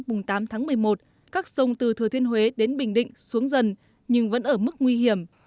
hôm tám tháng một mươi một các sông từ thừa thiên huế đến bình định xuống dần nhưng vẫn ở mức nguy hiểm